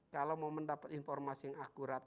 kalau mau mendapat informasi yang akurat